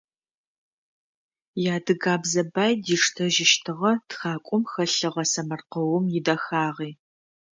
Иадыгабзэ бай диштэжьыщтыгъэ тхакӏом хэлъыгъэ сэмэркъэум идэхагъи.